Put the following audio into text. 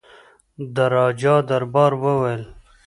د راجا دربار وویل.